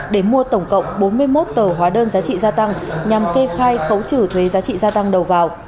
để mua tổng cộng bốn mươi một tờ hóa đơn giá trị gia tăng nhằm kê khai khấu trừ thuế giá trị gia tăng đầu vào